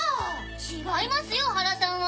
違いますよ原さんは！